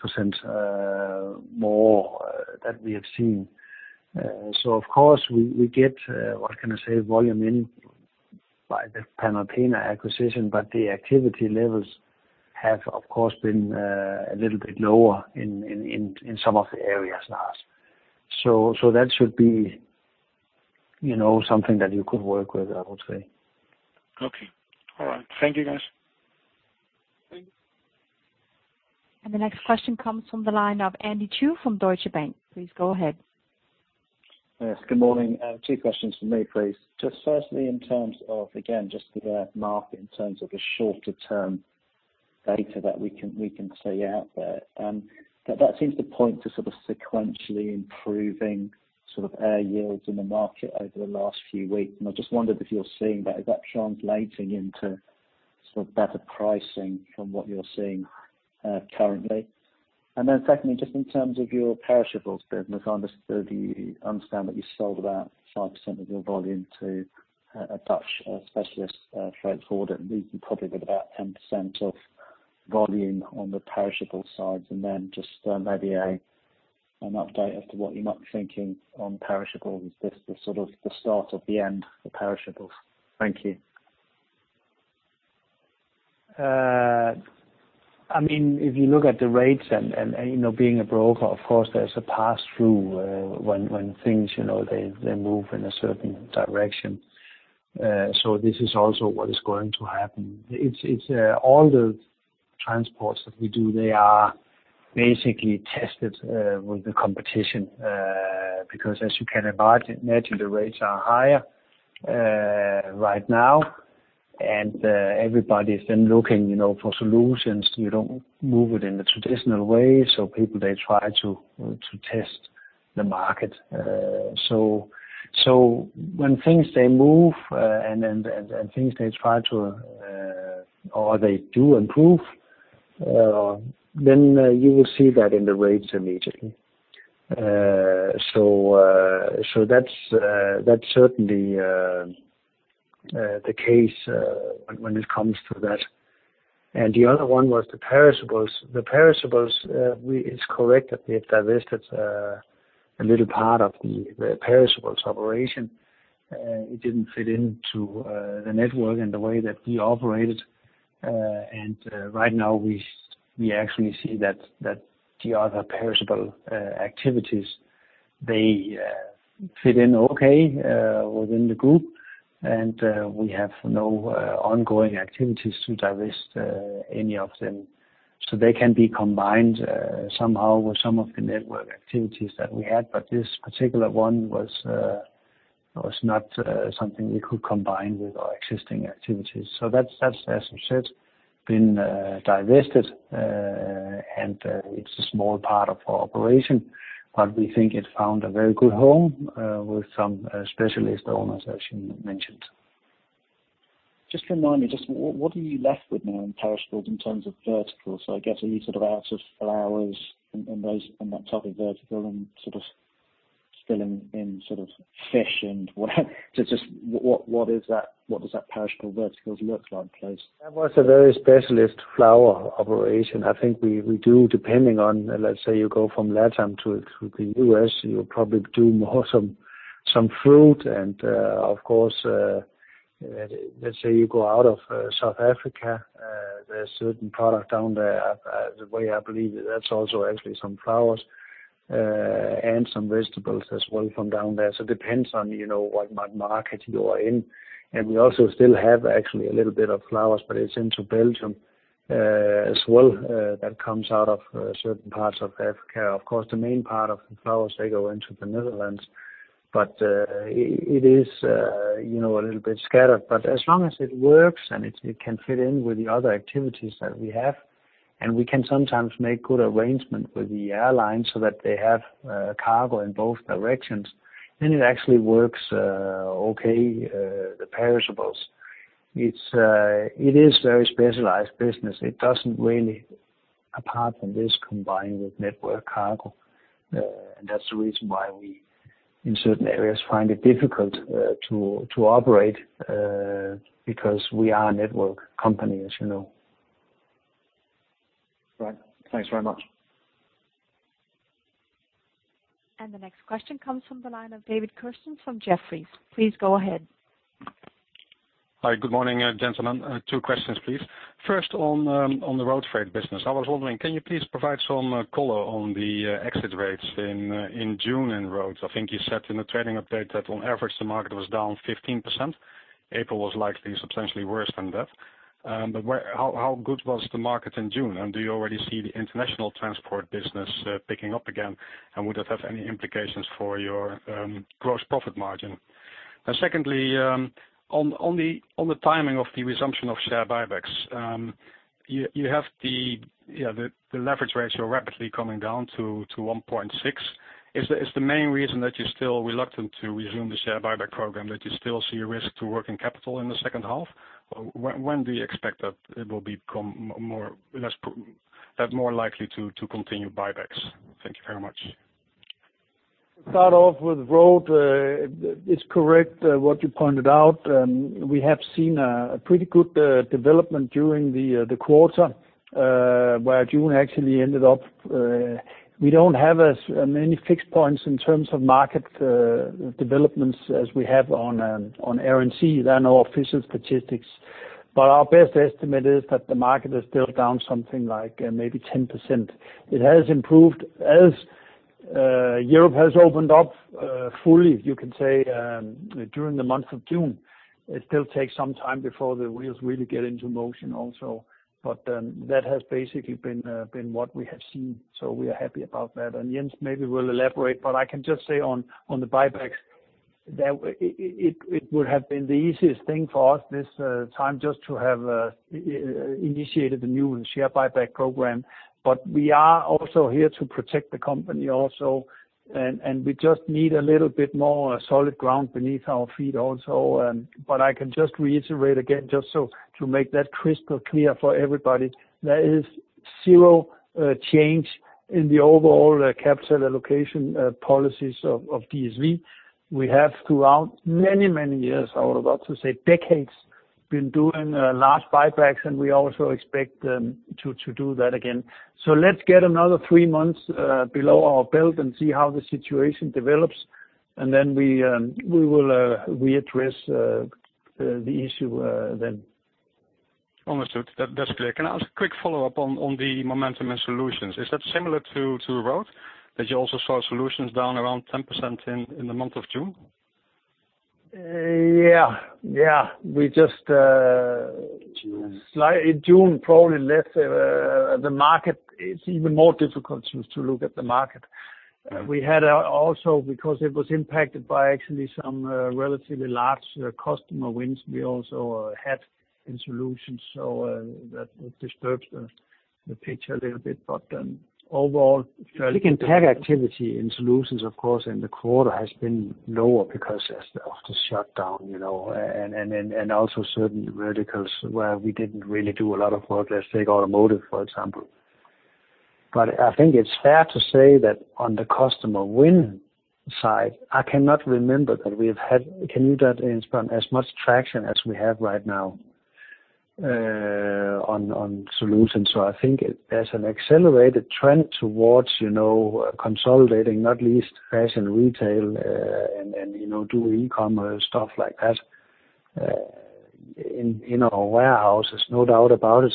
% more that we have seen. Of course we get, what can I say, volume in by the Panalpina acquisition, but the activity levels have, of course, been a little bit lower in some of the areas last. That should be something that you could work with, I would say. Okay. All right. Thank you, guys. Thank you. The next question comes from the line of Dominic Edridge from Deutsche Bank. Please go ahead. Yes, good morning. Two questions from me, please. Just firstly, in terms of, again, just for the market in terms of the shorter term data that we can see out there. That seems to point to sort of sequentially improving air yields in the market over the last few weeks. I just wondered if you're seeing that, is that translating into sort of better pricing from what you're seeing currently? Secondly, just in terms of your perishables business, I understood you understand that you sold about 5% of your volume to a Dutch specialist freight forwarder, leaving probably with about 10% of volume on the perishable sides. Just maybe an update as to what you might be thinking on perishables. Is this the sort of the start of the end for perishables? Thank you. If you look at the rates and being a broker, of course, there's a pass-through when things, they move in a certain direction. This is also what is going to happen. It's all the transports that we do, they are basically tested with the competition, because as you can imagine, the rates are higher right now, and everybody's then looking for solutions. We don't move it in the traditional way, so people they try to test the market. When things they move and things they try to or they do improve, then you will see that in the rates immediately. That's certainly the case when it comes to that. The other one was the perishables. The perishables, it's correct that we have divested a little part of the perishables operation. It didn't fit into the network and the way that we operated. Right now we actually see that the other perishable activities, they fit in okay within the group. We have no ongoing activities to divest any of them. They can be combined somehow with some of the network activities that we had. This particular one was not something we could combine with our existing activities. That's, as you said, been divested, and it's a small part of our operation, but we think it found a very good home with some specialist owners, as you mentioned. Just remind me, just what are you left with now in perishables in terms of verticals? I guess are you sort of out of flowers and that type of vertical and sort of still in fish and what does that perishable verticals look like, please? That was a very specialist flower operation. I think we do, depending on, let's say you go from LatAm to the U.S., you probably do more some fruit and, of course, let's say you go out of South Africa, there's certain product down there. The way I believe it, that's also actually some flowers and some vegetables as well from down there. It depends on what market you are in. We also still have actually a little bit of flowers, but it's into Belgium as well that comes out of certain parts of Africa. Of course, the main part of the flowers, they go into the Netherlands. It is a little bit scattered, but as long as it works and it can fit in with the other activities that we have, and we can sometimes make good arrangement with the airlines so that they have cargo in both directions, then it actually works okay, the perishables. It is very specialized business. It doesn't really, apart from this, combine with network cargo. That's the reason why we, in certain areas, find it difficult to operate because we are a network company, as you know. Right. Thanks very much. The next question comes from the line of Michael Foeth from Vontobel. Please go ahead. Hi, good morning, gentlemen. Two questions, please. First on the Road freight business. I was wondering, can you please provide some color on the exit rates in June in Road? I think you said in the trading update that on average, the market was down 15%. April was likely substantially worse than that. How good was the market in June? Do you already see the international transport business picking up again? Would that have any implications for your gross profit margin? Secondly, on the timing of the resumption of share buybacks. You have the leverage ratio rapidly coming down to 1.6. Is the main reason that you're still reluctant to resume the share buyback program, that you still see a risk to working capital in the second half? When do you expect that it will become more likely to continue buybacks? Thank you very much. Start off with Road. It's correct what you pointed out. We have seen a pretty good development during the quarter, where June actually ended up. We don't have as many fixed points in terms of market developments as we have on Air & Sea. There are no official statistics. Our best estimate is that the market is still down something like maybe 10%. It has improved as Europe has opened up fully, you can say, during the month of June. It still takes some time before the wheels really get into motion also. That has basically been what we have seen, so we are happy about that. Jens maybe will elaborate, but I can just say on the buybacks, that it would have been the easiest thing for us this time just to have initiated the new share buyback program. We are also here to protect the company also, and we just need a little bit more solid ground beneath our feet also. I can just reiterate again, just so to make that crystal clear for everybody, there is zero change in the overall capital allocation policies of DSV. We have throughout many, many years, I would love to say decades, been doing large buybacks, and we also expect to do that again. Let's get another three months below our belt and see how the situation develops, and then we will readdress the issue then. Understood. That's clear. Can I ask a quick follow-up on the momentum and Solutions? Is that similar to Road, that you also saw Solutions down around 10% in the month of June? Yeah. In June, probably less. The market, it is even more difficult to look at the market. We had also, because it was impacted by actually some relatively large customer wins we also had in Solutions, so that disturbs the picture a little bit. Looking at activity in Solutions, of course, in the quarter has been lower because of the shutdown, and also certain verticals where we didn't really do a lot of work. Let's take automotive, for example. I think it's fair to say that on the customer win side, I cannot remember that we have had as much traction as we have right now on Solutions. I think there's an accelerated trend towards consolidating, not least fashion retail and doing e-commerce, stuff like that in our warehouses. No doubt about it.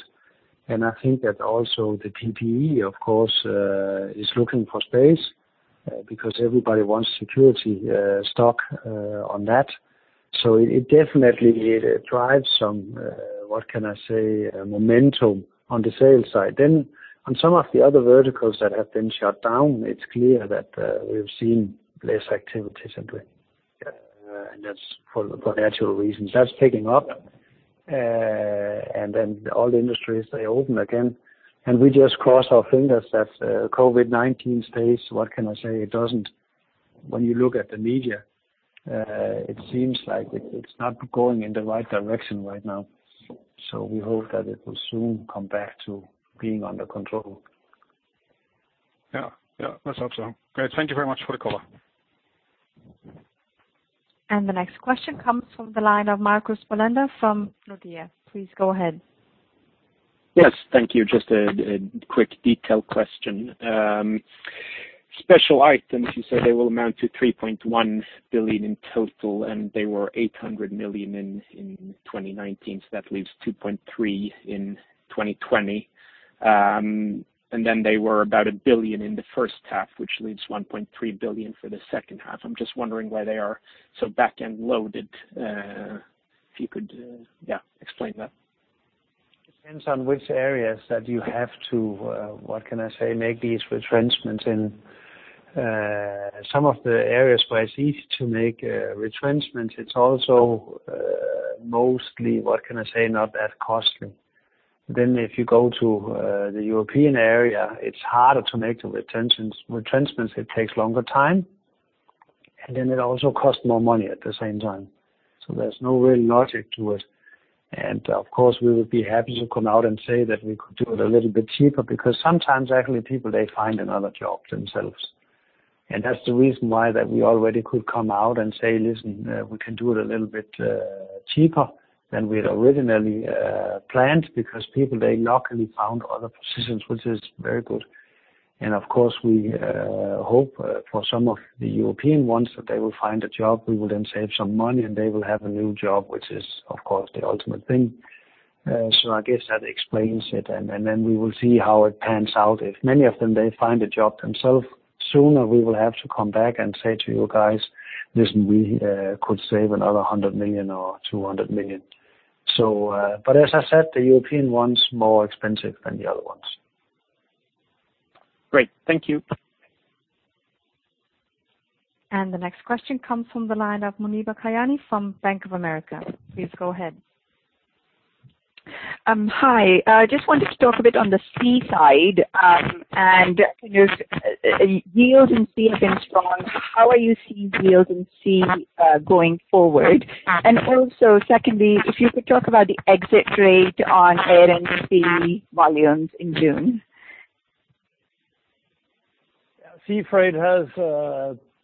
I think that also the PPE, of course, is looking for space because everybody wants security stock on that. It definitely drives some, what can I say, momentum on the sales side. On some of the other verticals that have been shut down, it's clear that we've seen less activity simply. That's for natural reasons. That's picking up. All the industries, they open again, and we just cross our fingers that COVID-19 stays, what can I say, When you look at the media, it seems like it's not going in the right direction right now. We hope that it will soon come back to being under control. Yeah. Let's hope so. Great. Thank you very much for the call. The next question comes from the line of Marcus Bellander from Nordea. Please go ahead. Yes. Thank you. Just a quick detail question. Special items, you said they will amount to 3.1 billion in total. They were 800 million in 2019. That leaves 2.3 billion in 2020. Then they were about 1 billion in the H1, which leaves 1.3 billion for the second half. I am just wondering why they are so back-end loaded. If you could, yeah, explain that. Depends on which areas that you have to, what can I say, make these retrenchments in. Some of the areas where it's easy to make retrenchments, it's also mostly, what can I say, not that costly. If you go to the European area, it's harder to make the retrenchments. It takes longer time, and then it also costs more money at the same time. There's no real logic to it. Of course, we would be happy to come out and say that we could do it a little bit cheaper because sometimes actually people, they find another job themselves. That's the reason why that we already could come out and say, "Listen, we can do it a little bit cheaper than we had originally planned," because people, they luckily found other positions, which is very good. Of course, we hope for some of the European ones that they will find a job. We will then save some money, and they will have a new job, which is, of course, the ultimate thing. I guess that explains it, and then we will see how it pans out. If many of them, they find a job themselves sooner, we will have to come back and say to you guys, "Listen, we could save another 100 million or 200 million." As I said, the European one's more expensive than the other ones. Great. Thank you. The next question comes from the line of Muneeba Kayani from Bank of America. Please go ahead. Hi. Just wanted to talk a bit on the Sea side. Yields in Sea have been strong. How are you seeing yields in Sea going forward? Also secondly, if you could talk about the exit rate on Air & Sea volumes in June. Sea freight has,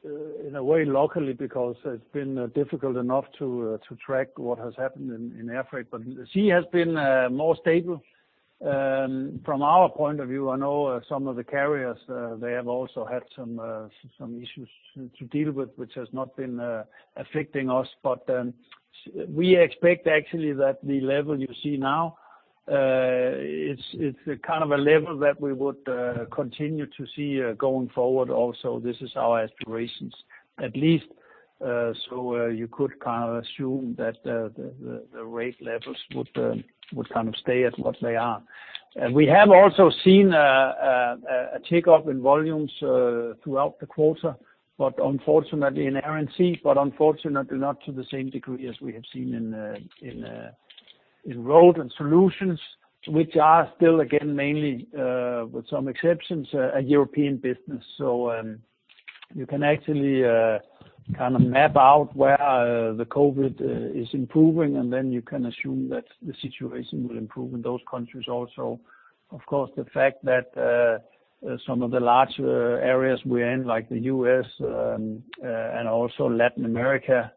in a way, luckily, because it has been difficult enough to track what has happened in air freight, but the sea has been more stable from our point of view. I know some of the carriers, they have also had some issues to deal with, which has not been affecting us. We expect actually that the level you see now, it is a kind of a level that we would continue to see going forward also. This is our aspirations at least, so you could assume that the rate levels would stay at what they are. We have also seen a tick up in volumes throughout the quarter, unfortunately in Air & Sea, not to the same degree as we have seen in Road and Solutions, which are still, again, mainly, with some exceptions, a European business. You can actually map out where the COVID is improving, and then you can assume that the situation will improve in those countries also. Of course, the fact that some of the larger areas we're in, like the U.S., and also Latin America,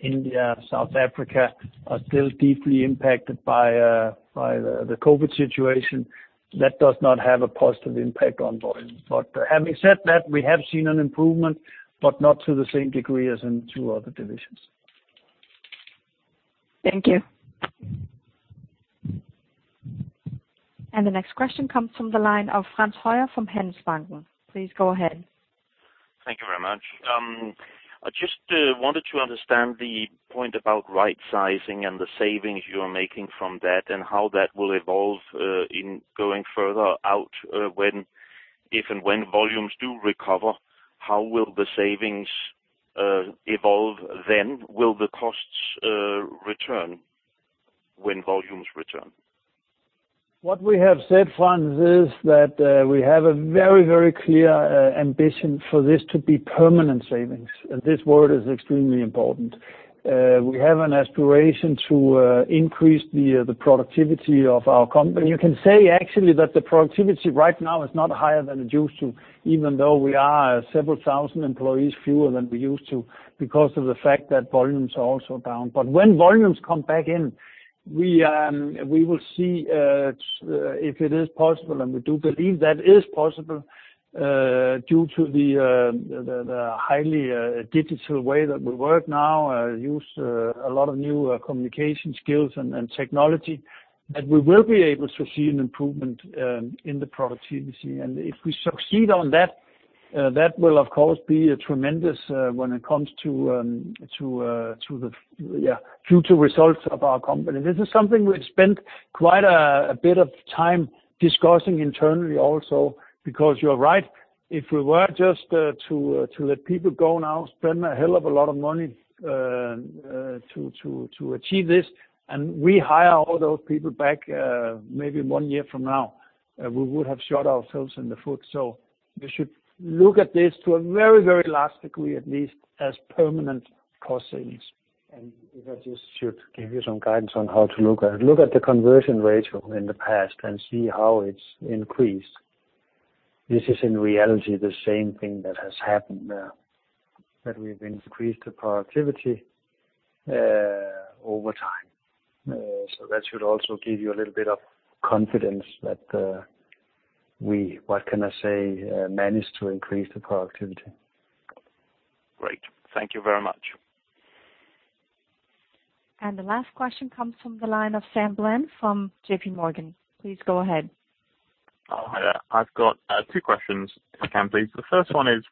India, South Africa, are still deeply impacted by the COVID situation. That does not have a positive impact on volume. Having said that, we have seen an improvement, but not to the same degree as in two other divisions. Thank you. The next question comes from the line of Frans Høyer from Handelsbanken. Please go ahead. Thank you very much. I just wanted to understand the point about right sizing and the savings you are making from that, and how that will evolve in going further out. If and when volumes do recover, how will the savings evolve then? Will the costs return when volumes return? What we have said, Frans, is that we have a very clear ambition for this to be permanent savings. This word is extremely important. We have an aspiration to increase the productivity of our company. You can say actually that the productivity right now is not higher than it used to, even though we are several thousand employees fewer than we used to because of the fact that volumes are also down. When volumes come back in, we will see if it is possible, and we do believe that is possible, due to the highly digital way that we work now, use a lot of new communication skills and technology, that we will be able to see an improvement in the productivity. If we succeed on that will, of course, be tremendous when it comes to the future results of our company. This is something we've spent quite a bit of time discussing internally also, because you're right, if we were just to let people go now, spend a hell of a lot of money to achieve this, and we hire all those people back maybe one year from now, we would have shot ourselves in the foot. We should look at this to a very last degree, at least, as permanent cost savings. If I just should give you some guidance on how to look at it, look at the conversion ratio in the past and see how it's increased. This is, in reality, the same thing that has happened, that we've increased the productivity over time. That should also give you a little bit of confidence that we, what can I say, managed to increase the productivity. Great. Thank you very much. The last question comes from the line of Samuel Bland from JPMorgan. Please go ahead. Hi there. I've got two questions, if I can please. The first one is,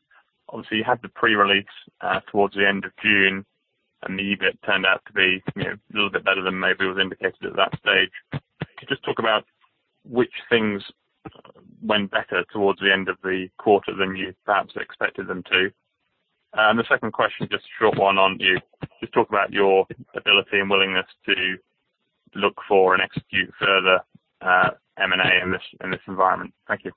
obviously, you had the pre-release towards the end of June. The EBIT turned out to be a little bit better than maybe was indicated at that stage. Could you just talk about which things went better towards the end of the quarter than you perhaps expected them to? The second question, just a short one on you. Just talk about your ability and willingness to look for and execute further M&A in this environment. Thank you.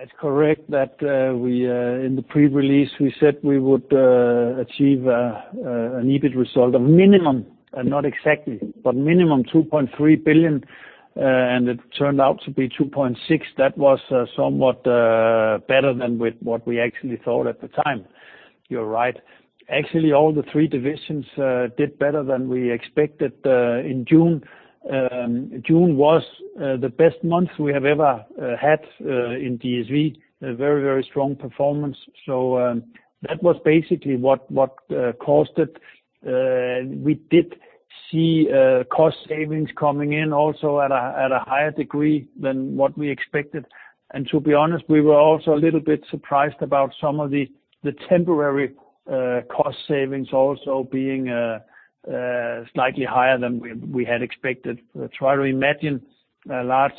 It's correct that in the pre-release, we said we would achieve an EBIT result of minimum, and not exactly, but minimum 2.3 billion, and it turned out to be 2.6 billion. That was somewhat better than with what we actually thought at the time. You're right. Actually, all the three divisions did better than we expected in June. June was the best month we have ever had in DSV. A very strong performance. That was basically what caused it. We did see cost savings coming in also at a higher degree than what we expected. To be honest, we were also a little bit surprised about some of the temporary cost savings also being slightly higher than we had expected. Try to imagine a large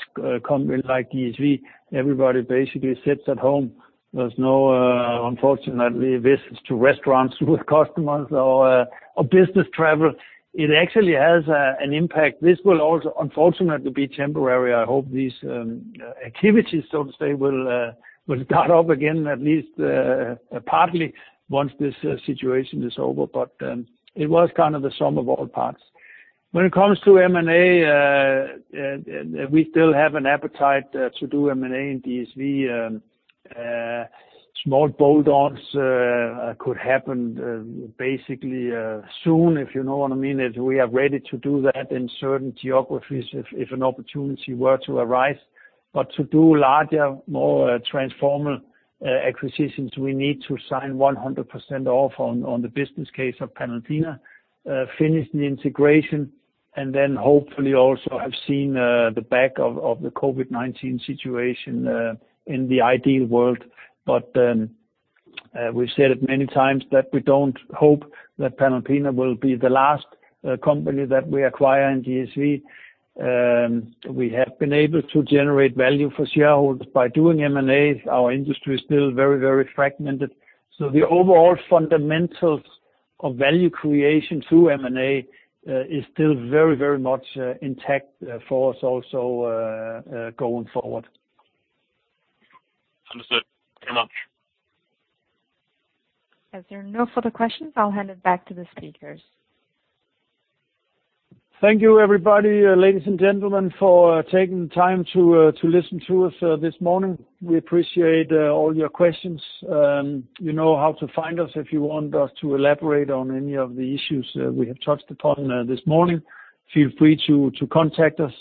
company like DSV, everybody basically sits at home. There's no, unfortunately, visits to restaurants with customers or business travel. It actually has an impact. This will also, unfortunately, be temporary. I hope these activities, so to say, will start up again, at least partly, once this situation is over. It was kind of the sum of all parts. When it comes to M&A, we still have an appetite to do M&A in DSV. Small build-ons could happen basically soon, if you know what I mean, as we are ready to do that in certain geographies if an opportunity were to arise. To do larger, more transformer acquisitions, we need to sign 100% off on the business case of Panalpina, finish the integration, and then hopefully also have seen the back of the COVID-19 situation in the ideal world. We've said it many times that we don't hope that Panalpina will be the last company that we acquire in DSV. We have been able to generate value for shareholders by doing M&A. The overall fundamentals of value creation through M&A is still very much intact for us also going forward. Understood. Thank you very much. As there are no further questions, I'll hand it back to the speakers. Thank you everybody, ladies and gentlemen, for taking the time to listen to us this morning. We appreciate all your questions. You know how to find us if you want us to elaborate on any of the issues we have touched upon this morning. Feel free to contact us.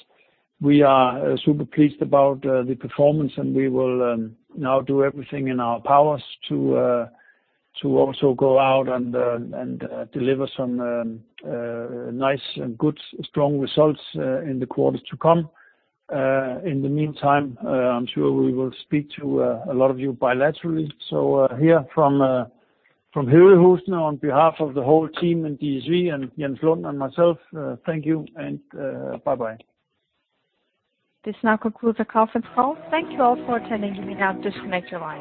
We are super pleased about the performance, and we will now do everything in our powers to also go out and deliver some nice and good, strong results in the quarters to come. In the meantime, I'm sure we will speak to a lot of you bilaterally. Here from Høje Taastrup, on behalf of the whole team in DSV, and Jens Lund and myself, thank you and bye-bye. This now concludes the conference call. Thank you all for attending. You may now disconnect your lines.